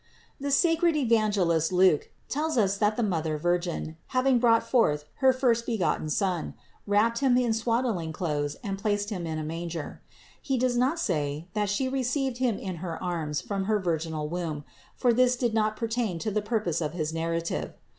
480. The sacred evangelist Luke tells us that the Mother Virgin, having brought forth her firstbegotten Son, wrapped Him in swathing clothes and placed Him in a manger. He does not say that She received Him in her arms from her virginal womb; for this did not pertain to the purpose of his narrative.